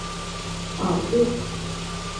博斯地区奥尔热尔。